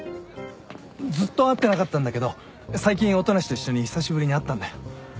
ずっと会ってなかったんだけど最近音無と一緒に久しぶりに会ったんだよ。